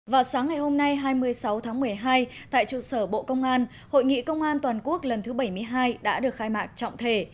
vào sáng ngày hôm nay hai mươi sáu tháng một mươi hai tại trụ sở bộ công an hội nghị công an toàn quốc lần thứ bảy mươi hai đã được khai mạc trọng thể